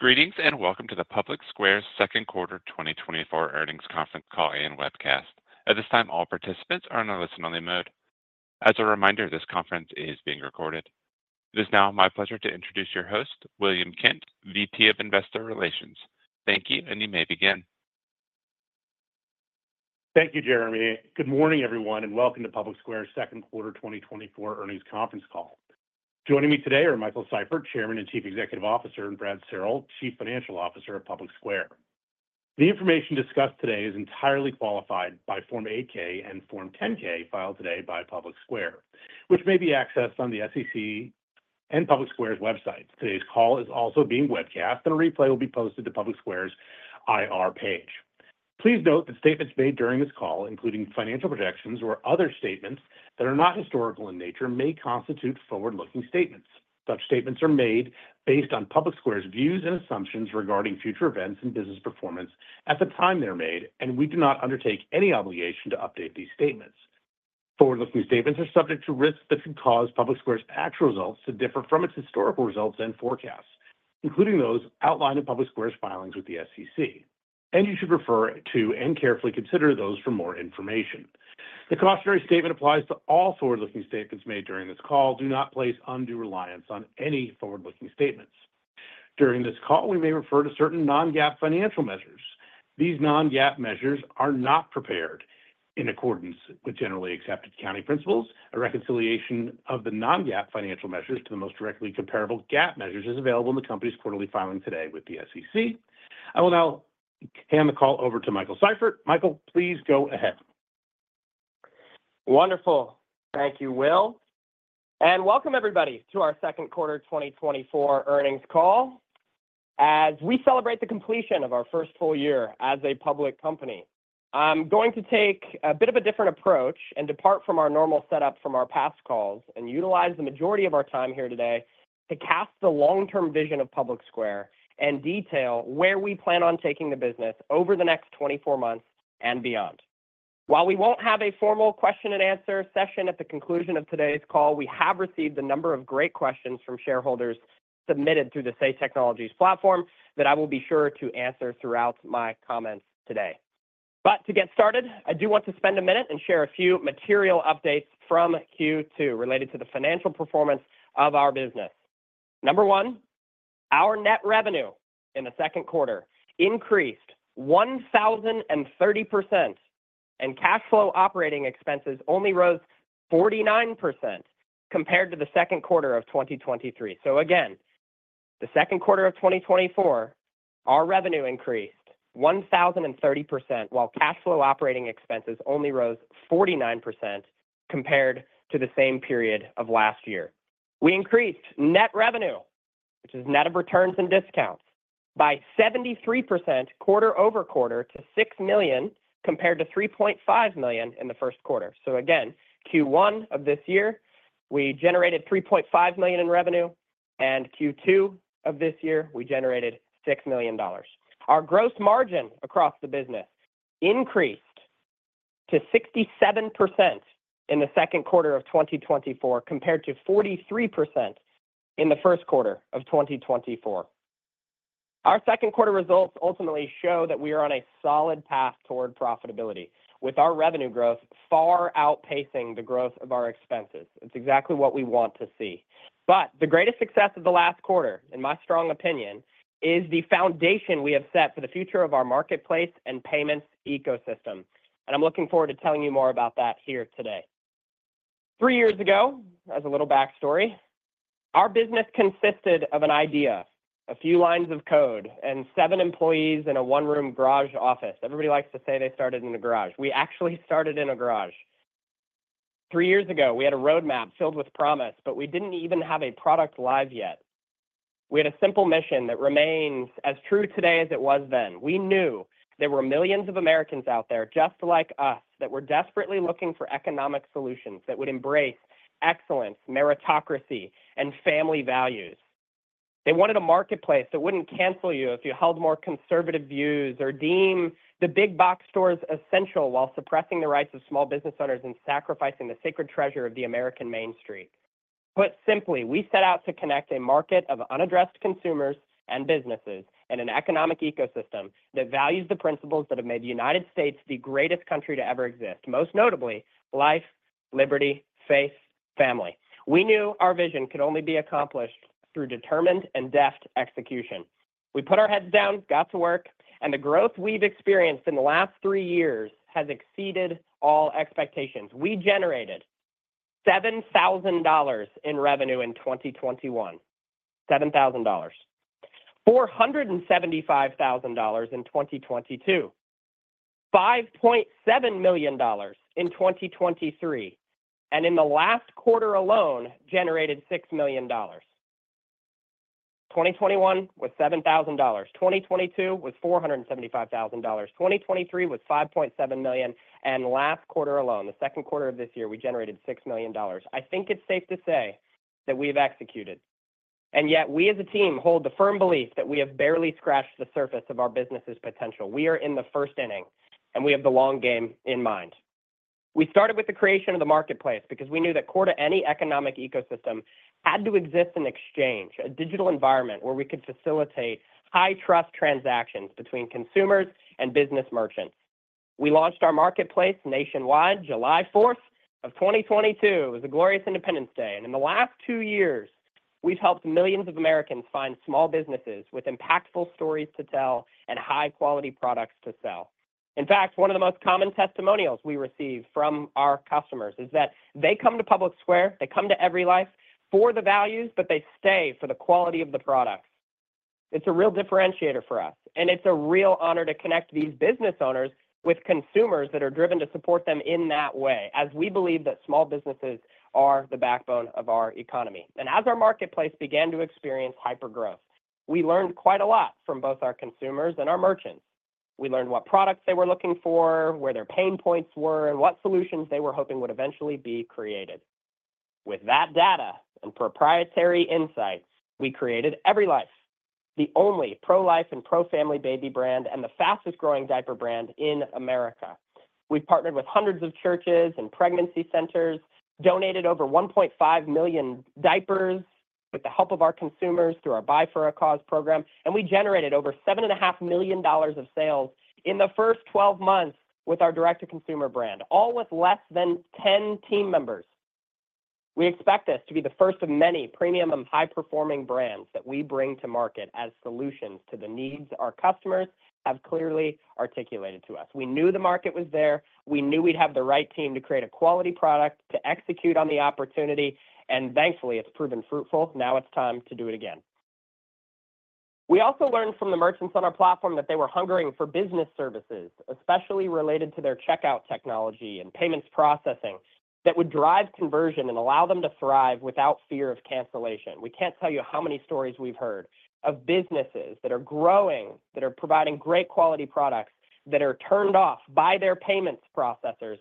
Greetings, and welcome to the PublicSquare's Second Quarter 2024 Earnings Conference Call and Webcast. At this time, all participants are in a listen-only mode. As a reminder, this conference is being recorded. It is now my pleasure to introduce your host, William Kent, VP of Investor Relations. Thank you, and you may begin. Thank you, Jeremy. Good morning, everyone, and welcome to PublicSquare's Second Quarter 2024 Earnings Conference Call. Joining me today are Michael Seifert, Chairman and Chief Executive Officer, and Brad Searl, Chief Financial Officer of PublicSquare. The information discussed today is entirely qualified by Form 8-K and Form 10-K filed today by PublicSquare, which may be accessed on the SEC and PublicSquare's websites. Today's call is also being webcast, and a replay will be posted to PublicSquare's IR page. Please note that statements made during this call, including financial projections or other statements that are not historical in nature, may constitute forward-looking statements. Such statements are made based on PublicSquare's views and assumptions regarding future events and business performance at the time they're made, and we do not undertake any obligation to update these statements. Forward-looking statements are subject to risks that could cause PublicSquare's actual results to differ from its historical results and forecasts, including those outlined in PublicSquare's filings with the SEC, and you should refer to and carefully consider those for more information. The cautionary statement applies to all forward-looking statements made during this call. Do not place undue reliance on any forward-looking statements. During this call, we may refer to certain non-GAAP financial measures. These non-GAAP measures are not prepared in accordance with generally accepted accounting principles. A reconciliation of the non-GAAP financial measures to the most directly comparable GAAP measures is available in the company's quarterly filing today with the SEC. I will now hand the call over to Michael Seifert. Michael, please go ahead. Wonderful. Thank you, Will, and welcome everybody to our second quarter 2024 earnings call. As we celebrate the completion of our first full year as a public company, I'm going to take a bit of a different approach and depart from our normal setup from our past calls and utilize the majority of our time here today to cast the long-term vision of PublicSquare and detail where we plan on taking the business over the next 24 months and beyond. While we won't have a formal question and answer session at the conclusion of today's call, we have received a number of great questions from shareholders submitted through the Say Technologies platform that I will be sure to answer throughout my comments today. But to get started, I do want to spend a minute and share a few material updates from Q2 related to the financial performance of our business. Number one, our Net Revenue in the second quarter increased 1,030%, and Cash Flow Operating Expenses only rose 49% compared to the second quarter of 2023. So again, the second quarter of 2024, our revenue increased 1,030%, while Cash Flow Operating Expenses only rose 49% compared to the same period of last year. We increased Net Revenue, which is net of returns and discounts, by 73% quarter-over-quarter to $6 million, compared to $3.5 million in the first quarter. So again, Q1 of this year, we generated $3.5 million in revenue, and Q2 of this year, we generated $6 million. Our gross margin across the business increased to 67% in the second quarter of 2024, compared to 43% in the first quarter of 2024. Our second quarter results ultimately show that we are on a solid path toward profitability, with our revenue growth far outpacing the growth of our expenses. It's exactly what we want to see. But the greatest success of the last quarter, in my strong opinion, is the foundation we have set for the future of our marketplace and payments ecosystem, and I'm looking forward to telling you more about that here today. Three years ago, as a little backstory, our business consisted of an idea, a few lines of code, and 7 employees in a one-room garage office. Everybody likes to say they started in a garage. We actually started in a garage. Three years ago, we had a roadmap filled with promise, but we didn't even have a product live yet. We had a simple mission that remains as true today as it was then. We knew there were millions of Americans out there just like us that were desperately looking for economic solutions that would embrace excellence, meritocracy, and family values. They wanted a marketplace that wouldn't cancel you if you held more conservative views or deem the big box stores essential while suppressing the rights of small business owners and sacrificing the sacred treasure of the American Main Street. Put simply, we set out to connect a market of unaddressed consumers and businesses in an economic ecosystem that values the principles that have made the United States the greatest country to ever exist, most notably life, liberty, faith, family. We knew our vision could only be accomplished through determined and deft execution. We put our heads down, got to work, and the growth we've experienced in the last three years has exceeded all expectations. We generated $7,000 in revenue in 2021. $7,000. $475,000 in 2022, $5.7 million in 2023, and in the last quarter alone, generated $6 million. 2021 was $7,000. 2022 was $475,000. 2023 was $5.7 million, and last quarter alone, the second quarter of this year, we generated $6 million. I think it's safe to say that we've executed, and yet we as a team hold the firm belief that we have barely scratched the surface of our business's potential. We are in the first inning, and we have the long game in mind. We started with the creation of the marketplace because we knew that core to any economic ecosystem had to exist in exchange, a digital environment where we could facilitate high-trust transactions between consumers and business merchants. We launched our marketplace nationwide, July fourth of 2022. It was a glorious Independence Day, and in the last two years, we've helped millions of Americans find small businesses with impactful stories to tell and high-quality products to sell. In fact, one of the most common testimonials we receive from our customers is that they come to PublicSquare, they come to EveryLife for the values, but they stay for the quality of the products. It's a real differentiator for us, and it's a real honor to connect these business owners with consumers that are driven to support them in that way, as we believe that small businesses are the backbone of our economy. As our marketplace began to experience hypergrowth, we learned quite a lot from both our consumers and our merchants. We learned what products they were looking for, where their pain points were, and what solutions they were hoping would eventually be created. With that data and proprietary insights, we created EveryLife, the only pro-life and pro-family baby brand and the fastest-growing diaper brand in America. We've partnered with hundreds of churches and pregnancy centers, donated over 1.5 million diapers with the help of our consumers through our Buy for a Cause program, and we generated over $7.5 million of sales in the first 12 months with our direct-to-consumer brand, all with less than 10 team members. We expect this to be the first of many premium and high-performing brands that we bring to market as solutions to the needs our customers have clearly articulated to us. We knew the market was there. We knew we'd have the right team to create a quality product to execute on the opportunity, and thankfully, it's proven fruitful. Now it's time to do it again. We also learned from the merchants on our platform that they were hungering for business services, especially related to their checkout technology and payments processing, that would drive conversion and allow them to thrive without fear of cancellation. We can't tell you how many stories we've heard of businesses that are growing, that are providing great quality products, that are turned off by their payments processors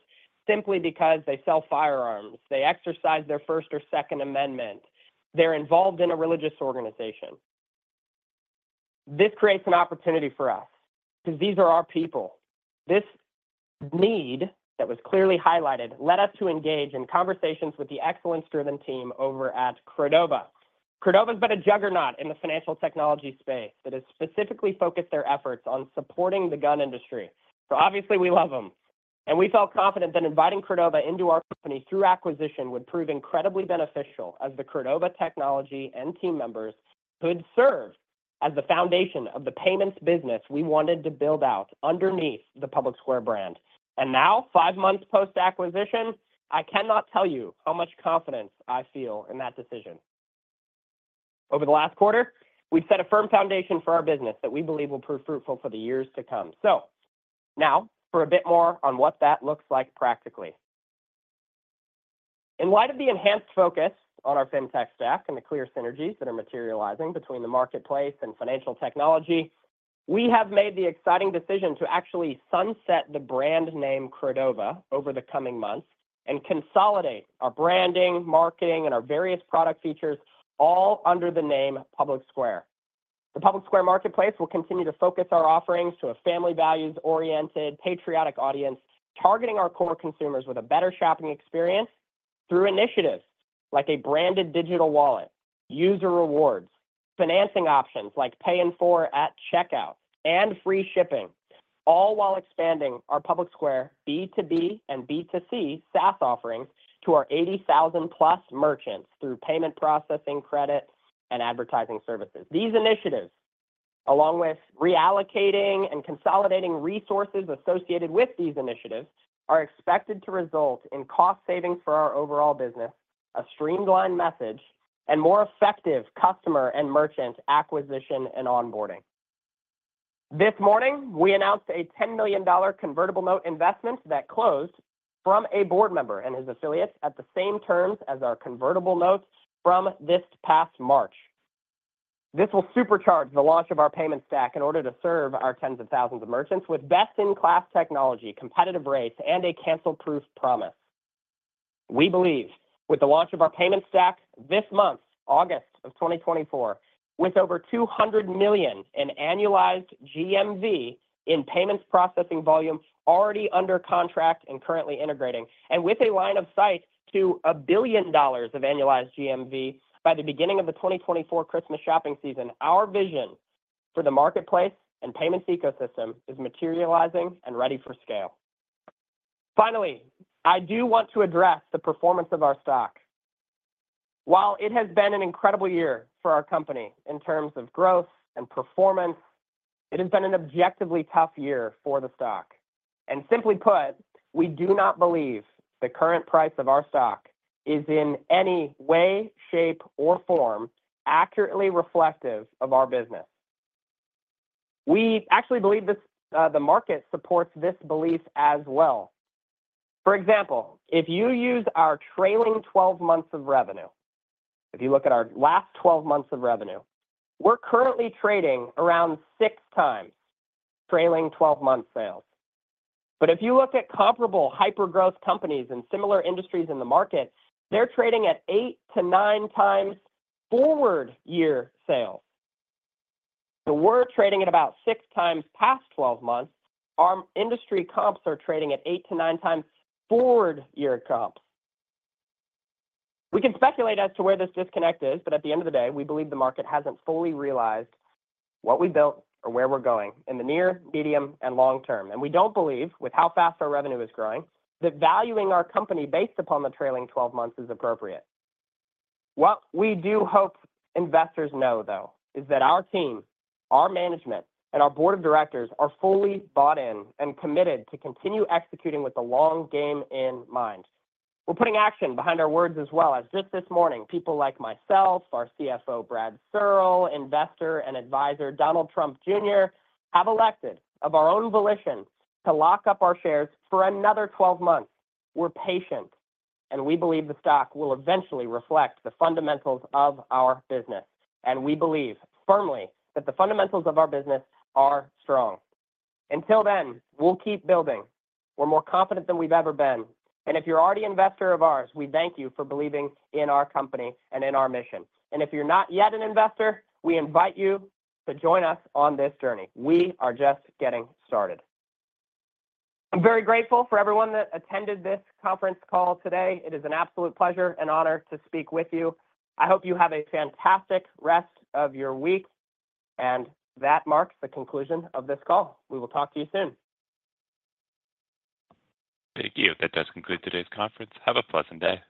simply because they sell firearms, they exercise their First or Second Amendment, they're involved in a religious organization. This creates an opportunity for us because these are our people. This need that was clearly highlighted led us to engage in conversations with the excellence-driven team over at Credova. Credova's been a juggernaut in the financial technology space that has specifically focused their efforts on supporting the gun industry. So obviously, we love them, and we felt confident that inviting Credova into our company through acquisition would prove incredibly beneficial, as the Credova technology and team members could serve as the foundation of the payments business we wanted to build out underneath the PublicSquare brand. And now, five months post-acquisition, I cannot tell you how much confidence I feel in that decision. Over the last quarter, we've set a firm foundation for our business that we believe will prove fruitful for the years to come. So now for a bit more on what that looks like practically. In light of the enhanced focus on our Fintech stack and the clear synergies that are materializing between the marketplace and financial technology, we have made the exciting decision to actually sunset the brand name Credova over the coming months and consolidate our branding, marketing, and our various product features all under the name PublicSquare. The PublicSquare marketplace will continue to focus our offerings to a family values-oriented, patriotic audience, targeting our core consumers with a better shopping experience through initiatives like a branded digital wallet, user rewards, financing options like Pay in 4 at checkout, and free shipping, all while expanding our PublicSquare B2B and B2C SaaS offerings to our 80,000+ merchants through payment, processing, credit, and advertising services. These initiatives, along with reallocating and consolidating resources associated with these initiatives, are expected to result in cost savings for our overall business, a streamlined message, and more effective customer and merchant acquisition and onboarding. This morning, we announced a $10 million convertible note investment that closed from a board member and his affiliates at the same terms as our convertible notes from this past March. This will supercharge the launch of our payment stack in order to serve our tens of thousands of merchants with best-in-class technology, competitive rates, and a cancel-proof promise. We believe with the launch of our payment stack this month, August 2024, with over $200 million in annualized GMV in payments processing volume already under contract and currently integrating, and with a line of sight to $1 billion of annualized GMV by the beginning of the 2024 Christmas shopping season, our vision for the marketplace and payments ecosystem is materializing and ready for scale. Finally, I do want to address the performance of our stock. While it has been an incredible year for our company in terms of growth and performance, it has been an objectively tough year for the stock. Simply put, we do not believe the current price of our stock is in any way, shape, or form, accurately reflective of our business. We actually believe this, the market supports this belief as well. For example, if you use our trailing twelve months of revenue, if you look at our last twelve months of revenue, we're currently trading around 6x trailing twelve-month sales. But if you look at comparable hypergrowth companies in similar industries in the market, they're trading at 8x-9x forward-year sales. So we're trading at about 6x past twelve months. Our industry comps are trading at 8x-9x forward-year comps. We can speculate as to where this disconnect is, but at the end of the day, we believe the market hasn't fully realized what we built or where we're going in the near, medium, and long term. And we don't believe, with how fast our revenue is growing, that valuing our company based upon the trailing twelve months is appropriate. What we do hope investors know, though, is that our team, our management, and our board of directors are fully bought in and committed to continue executing with the long game in mind. We're putting action behind our words as well, as just this morning, people like myself, our CFO, Brad Searl, investor and advisor Donald Trump Jr., have elected of our own volition to lock up our shares for another 12 months. We're patient, and we believe the stock will eventually reflect the fundamentals of our business, and we believe firmly that the fundamentals of our business are strong. Until then, we'll keep building. We're more confident than we've ever been, and if you're already an investor of ours, we thank you for believing in our company and in our mission. And if you're not yet an investor, we invite you to join us on this journey. We are just getting started. I'm very grateful for everyone that attended this conference call today. It is an absolute pleasure and honor to speak with you. I hope you have a fantastic rest of your week, and that marks the conclusion of this call. We will talk to you soon. Thank you. That does conclude today's conference. Have a pleasant day.